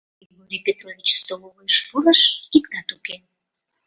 Григорий Петрович столовыйыш пурыш, — иктат уке.